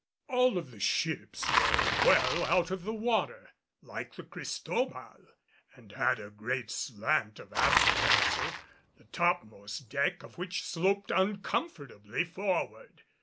All of the ships were well out of the water like the Cristobal and had a great slant of after castle, the topmost deck of which sloped uncomfortably forward.